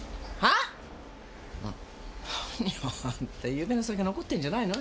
昨夜の酒残ってんじゃないの？